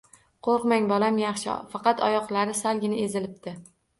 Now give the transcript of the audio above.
Qoʻrqmang, bolam yaxshi, faqat oyoqlari salgina ezilibdi